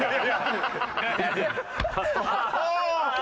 ああ！